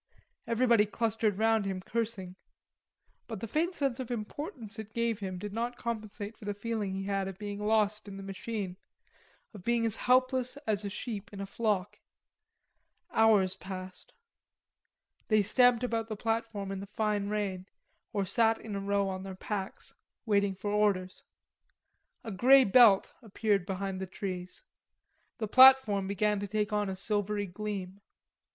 Everybody clustered round him cursing. But the faint sense of importance it gave him did not compensate for the feeling he had of being lost in the machine, of being as helpless as a sheep in a flock. Hours passed. They stamped about the platform in the fine rain or sat in a row on their packs, waiting for orders. A grey belt appeared behind the trees. The platform began to take on a silvery gleam.